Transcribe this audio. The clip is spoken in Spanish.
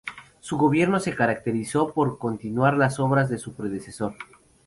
Su gobierno se caracterizó por continuar las obras de su predecesor.